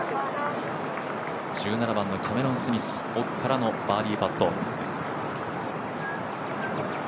１７番のキャメロン・スミス、奥からのバーディーパット。